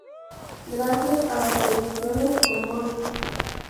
Gracias a las previsiones que Mons.